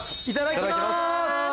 ・いただきます！